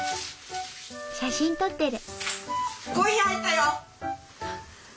写真撮ってる。